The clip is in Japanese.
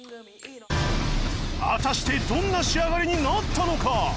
果たしてどんな仕上がりになったのか？